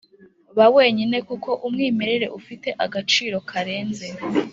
ba wenyine kuko umwimerere ufite agaciro karenze